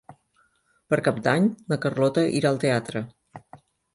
Per Cap d'Any na Carlota irà al teatre.